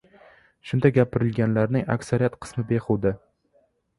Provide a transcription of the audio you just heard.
shunda gapirilganlarning aksariyat qismi behuda